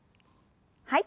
はい。